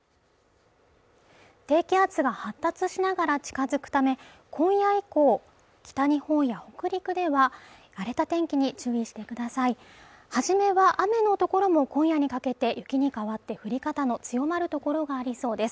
低気圧が発達しながら近づくため今夜以降北日本や北陸では荒れた天気に注意してください初めは雨の所も今夜にかけて雪に変わって降り方の強まる所がありそうです